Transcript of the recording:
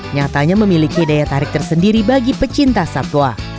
nyatanya memiliki daya tarik tersendiri bagi pecinta satwa